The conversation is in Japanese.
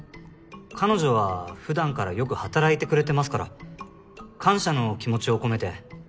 彼女は普段からよく働いてくれてますから感謝の気持ちを込めて。